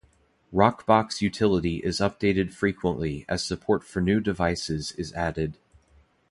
Rockbox Utility is updated frequently as support for new devices is added.